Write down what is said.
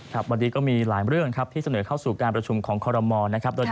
ครับวันนี้ก็มีหลายเรื่องครับที่เสนอเข้าสู่การประชุมของคอรมอลนะครับ